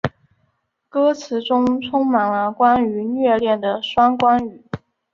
歌词中充满了关于虐恋的双关语。